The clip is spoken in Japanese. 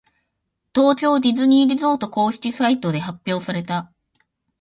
東京ディズニーリゾート公式サイトで発表された。